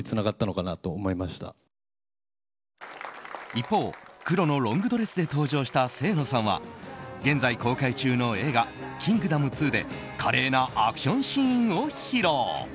一方、黒のロングドレスで登場した清野さんは現在公開中の映画「キングダム２」で華麗なアクションシーンを披露。